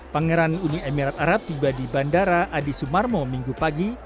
pangeran uni emirat arab tiba di bandara adi sumarmo minggu pagi